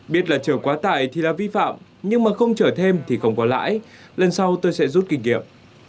biết là chở quá tải thì là vi phạm nhưng mà không chở thêm thì không có lãi lần sau tôi sẽ rút kinh nghiệm